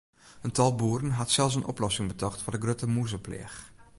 In tal boeren hat sels in oplossing betocht foar de grutte mûzepleach.